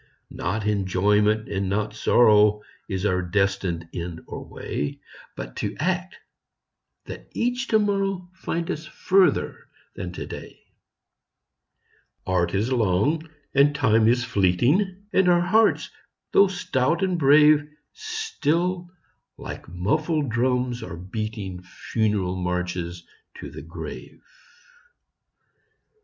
VOICES OF THE NIGHT. Not enjoyment, and not sorrow, Is our destined end or way ; But to act, that each to morrow Find us farther than to day. Art is long, and Time is fleeting, And our hearts, though stout and brave, Still, like muffled drums, are beating Funeral marches to the grave.